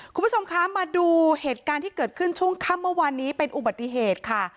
คุณผู้ชมคะมาดูเหตุการณ์ที่เกิดขึ้นช่วงค่ำเมื่อวานนี้เป็นอุบัติเหตุค่ะ